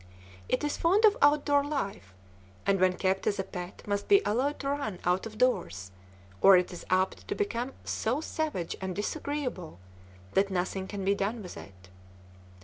It is fond of outdoor life, and when kept as a pet must be allowed to run out of doors or it is apt to become so savage and disagreeable that nothing can be done with it.